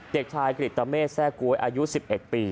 เด็กชายกริตเตอร์เมฆแซ่กุ๊ยอายุ๑๑ปี